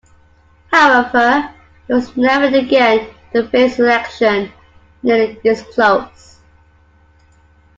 However, he was never again to face an election nearly this close.